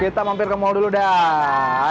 kita mampir ke mall dulu deh